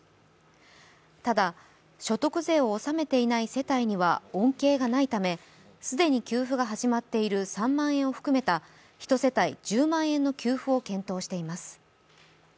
ただ、所得税を納めていない世帯には恩恵がないため既に給付が始まっている３万円を含めた１世帯１０万円の給付を予定しています。